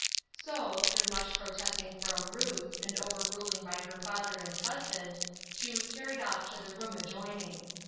So, through much protesting from Ruth, and 'overruling by her father and husband, she was carried off to the room adjoining.